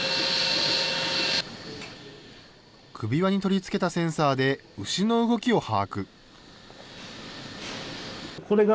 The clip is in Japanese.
首輪に取り付けたセンサーで、牛の動きを把握。